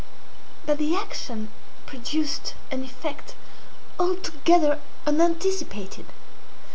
But the action produced an effect altogether unanticipated.